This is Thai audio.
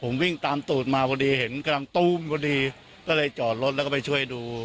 ผมวิ่งตามตูดมาพอดีเห็นกำลังตู้มพอดีก็เลยจอดรถแล้วก็ไปช่วยดู